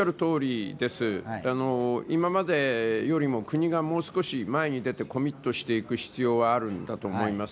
今までよりも国がもう少し前に出て、コミットしていく必要があるんだと思います。